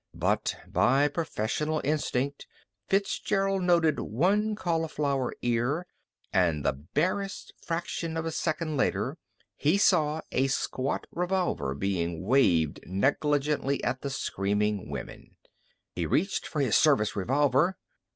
But by professional instinct Fitzgerald noted one cauliflower ear, and the barest fraction of a second later he saw a squat revolver being waved negligently at the screaming women. He reached for his service revolver.